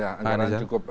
ya anggarannya cukup